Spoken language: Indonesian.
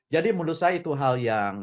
jadi menurut saya itu hal yang